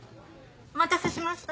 お待たせしました。